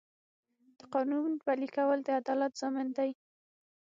د قانون پلي کول د عدالت ضامن دی.